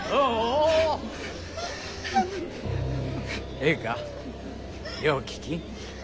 ええかよう聞き。